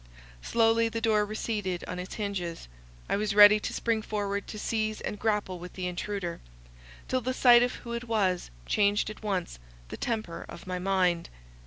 Slowly the door receded on its hinges—I was ready to spring forward to seize and grapple with the intruder, till the sight of who it was changed at once the temper of my mind.